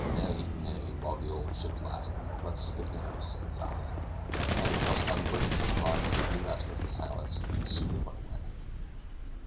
Nay, nay; while the ould ship lasts, let's stick to her, says I." Having thus unburdened his mind he relapsed into silence, and soon went away.